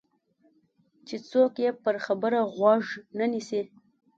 چې څوک یې پر خبره غوږ نه نیسي.